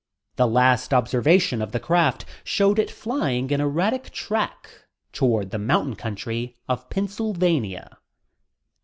The last observation of the craft showed it flying an erratic track toward the mountain country of Pennsylvania.